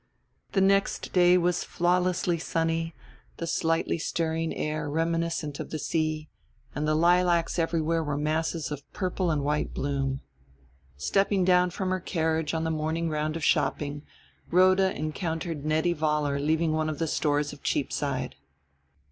The next day was flawlessly sunny, the slightly stirring air reminiscent of the sea, and the lilacs everywhere were masses of purple and white bloom. Stepping down from her carriage on the morning round of shopping Rhoda encountered Nettie Vollar leaving one of the stores of Cheapside.